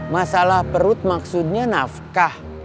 masalah perut maksudnya nafkah